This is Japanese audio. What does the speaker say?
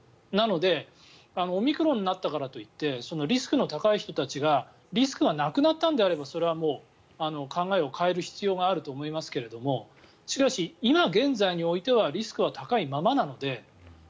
なのでオミクロンになったからといってリスクの高い人たちがリスクがなくなったんであればそれはもう考えを変える必要があると思いますけどしかし今現在においてはリスクは高いままなので。